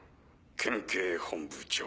県警本部長。